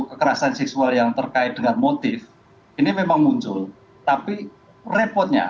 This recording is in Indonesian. kekerasan seksual yang terkait dengan motif ini memang muncul tapi repotnya